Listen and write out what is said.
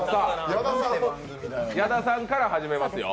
矢田さんから始めますよ。